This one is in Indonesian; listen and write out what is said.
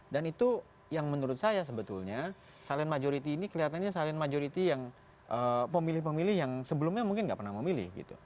dan itu yang menurut saya sebetulnya silent majority ini kelihatannya silent majority yang pemilih pemilih yang sebelumnya mungkin nggak pernah memilih